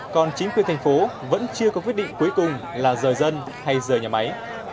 còn chính quyền thành phố vẫn chưa có quyết định cuối cùng là rời dân hay rời nhà máy